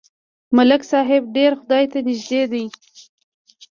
ملک صاحب ډېر خدای ته نږدې دی.